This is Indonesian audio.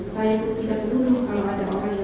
saya tidak peduli kalau ada orang yang